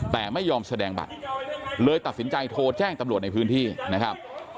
แต่ไม่ยอมแสดงบัตรเลยตัดสินใจโทรแจ้งตำรวจในพื้นที่นะครับ